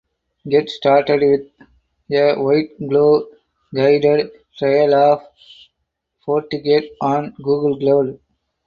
Get started with a White Glove Guided Trial of FortiGate on Google Cloud.